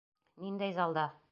Ниндәй залда?